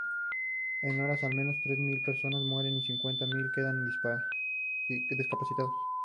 En horas, al menos tres mil personas mueren y cincuenta mil quedan discapacitados.